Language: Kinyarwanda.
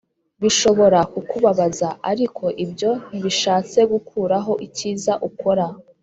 Bishobora kukubabaza ariko ibyo ntibishatse gukuraho icyiza ukora